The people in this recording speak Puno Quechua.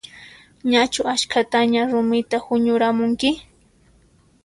Ñachu askhataña rumita huñuramunki?